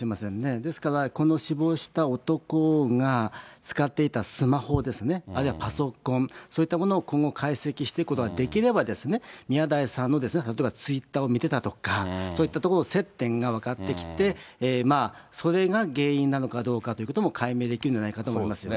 ですから、この死亡した男が使っていたスマホですね、あるいはパソコン、そういったものを今後解析していくことができれば、宮台さんの例えばツイッターを見てたとか、そういったところの接点が分かってきて、それが原因なのかどうかということも解明できるのではないかと思いますよね。